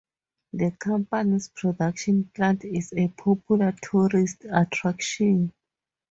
The company's production plant is a popular tourist attraction.